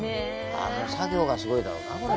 作業がすごいだろうな、これ。